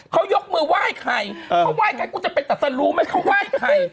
เขายกมือไหว้ใครเขาไหว้ใครกูจะไปตัดสรุไหมเขาไหว้ใคร